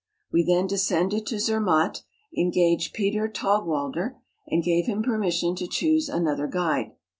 We then descended to Zermatt, engaged Peter Taugwalder, and gave him permis¬ sion to choose another guide.